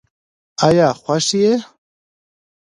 آیا خوښ یې؟